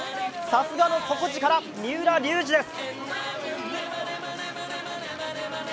さすがの底力、三浦龍司です。